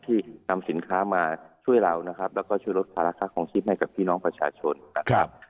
ที่นำสินค้ามาช่วยเรานะครับแล้วก็ช่วยลดภาระค่าคลองชีพให้กับพี่น้องประชาชนนะครับ